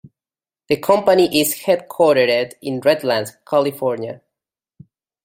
The company is headquartered in Redlands, California.